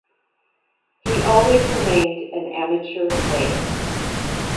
He always remained an amateur player.